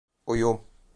Oyum!